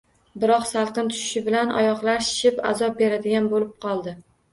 Biroq salqin tushishi bilan oyoqlari shishib, azob beradigan bo‘lib qoldi.